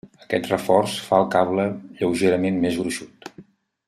Aquest reforç fa al cable lleugerament més gruixut.